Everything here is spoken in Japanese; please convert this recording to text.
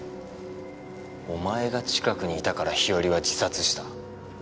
お前が近くにいたから日和は自殺した。